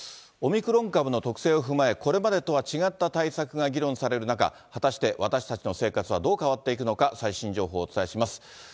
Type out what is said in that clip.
オミクロン株の特性を踏まえ、これまでとは違った対策が議論される中、果たして私たちの生活はどう変わっていくのか、最新情報をお伝えします。